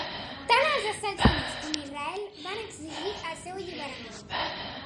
Tant els Estats Units com Israel van exigir el seu alliberament.